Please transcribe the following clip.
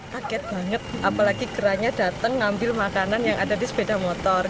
kaget banget apalagi keranya datang ngambil makanan yang ada di sepeda motor